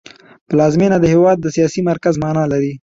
پلازمېنه د هېواد د سیاسي مرکز مانا لري